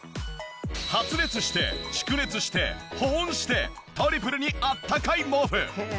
発熱して蓄熱して保温してトリプルにあったかい毛布。